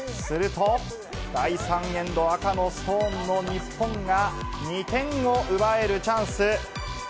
すると、第３エンド赤のストーンの日本が２点を奪えるチャンス。